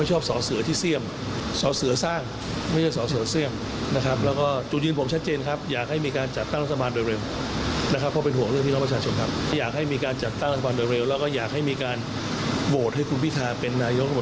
ชอบศสิวะที่สร้างผมไม่ชอบศสิวะที่เสี่ยม